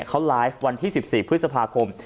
เขาไลฟ์วันที่๑๔พฤษภาคม